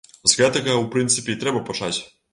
З гэтага, у прынцыпе, і трэба пачаць.